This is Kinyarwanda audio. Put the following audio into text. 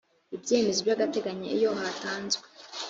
ibyemezo by agateganyo iyo hatanzwe